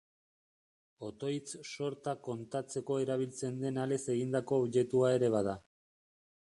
Otoitz sorta kontatzeko erabiltzen den alez egindako objektua ere bada.